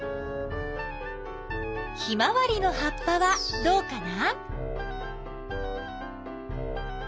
ヒマワリの葉っぱはどうかな？